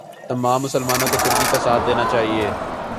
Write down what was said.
تمام مسلمانوں کو ترکی کا ساتھ دینا چاہئے